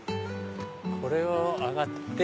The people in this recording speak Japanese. これを上がって。